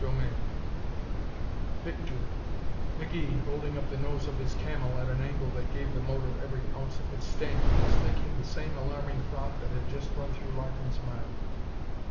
CHAPTER IV Victory 1 McGee, holding up the nose of his Camel at an angle that gave the motor every ounce it would stand, was thinking the same alarming thought that had just run through Larkin's mind.